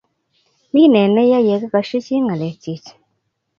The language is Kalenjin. mii nee ni yak kegoshi chii ngelek chi